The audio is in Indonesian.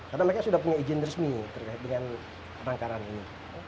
karena mereka sudah punya izin resmi terkait dengan penangkaran ini